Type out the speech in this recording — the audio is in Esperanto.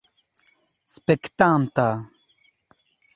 spektanta